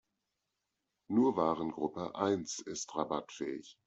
Nur Warengruppe eins ist rabattfähig.